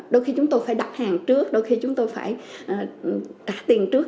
đôi khi chúng tôi phải đặt hàng trước đôi khi chúng tôi phải trả tiền trước